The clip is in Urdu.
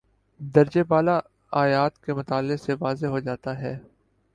درجِ بالا آیات کے مطالعے سے واضح ہو جاتا ہے